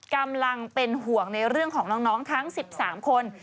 กำลังเป็นห่วงในเรื่องของน้องทั้ง๑๓คน